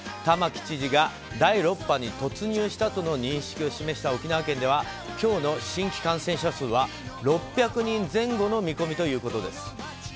玉城知事が第６波に突入したとの認識を示した沖縄県では今日の新規感染者数は６００人前後の見込みということです。